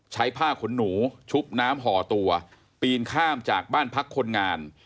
ใช้ผ้าขนหนูชุบน้ำห่อตัวปีนข้ามจากบ้านพักคนงาน